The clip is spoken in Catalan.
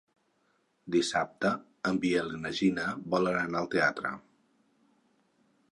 Dissabte en Biel i na Gina volen anar al teatre.